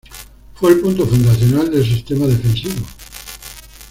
Fue el punto fundacional del sistema defensivo.